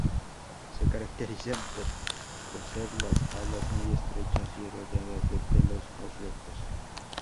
Se caracterizan por poseer las alas muy estrechas y rodeadas de pelos o flecos.